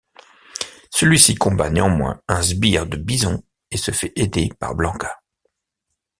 Celui-ci combat néanmoins un sbire de Bison et se fait aider par Blanka.